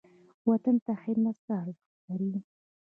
وطن ته خدمت څه ارزښت لري؟